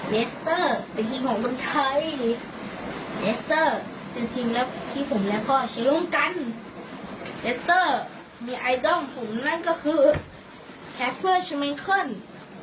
เลสเตอร์มีไอดอลของผมนั่นก็คือแคสเฟอร์ชะเมนเคิล